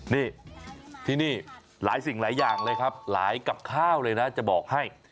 นี่ที่นี่หลายสิ่งหลายอย่างเลยครับหลายกับข้าวเลยนะจะบอกให้